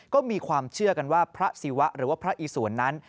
ก็มีความเชื่อกันว่าพระศิวะหรือว่าพระอิสวนนั้น